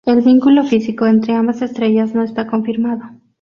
El vínculo físico entre ambas estrellas no está confirmado.